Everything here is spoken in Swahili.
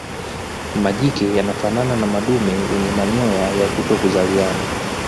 Majike wanafanana na madume yenye manyoya ya kutokuzaliana.